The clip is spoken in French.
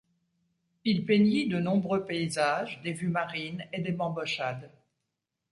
Il peignit des nombreux paysages, des vues marines et des bambochades.